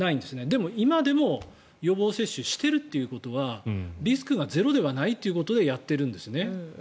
でも今でも予防接種しているということはリスクがゼロではないということでやってるんですね。